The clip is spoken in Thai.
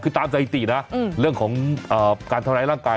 คือตามสถิตินะเรื่องของการทำร้ายร่างกาย